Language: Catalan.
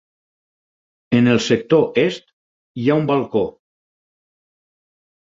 En el sector Est hi ha un balcó.